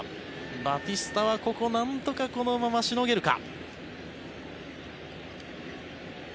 バティスタは、ここなんとかこのまましのげるか。